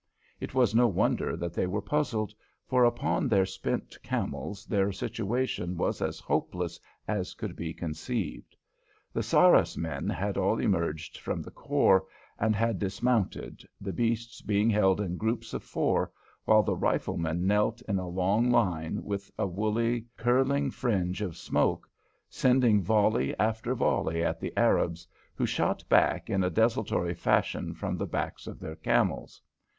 It was no wonder that they were puzzled, for upon their spent camels their situation was as hopeless as could be conceived. The Sarras men had all emerged from the khor, and had dismounted, the beasts being held in groups of four, while the riflemen knelt in a long line with a woolly, curling fringe of smoke, sending volley after volley at the Arabs, who shot back in a desultory fashion from the backs of their camels.